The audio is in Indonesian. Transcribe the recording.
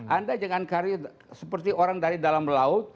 anda jangan karya seperti orang dari dalam laut